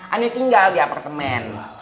ane tinggal di apartemen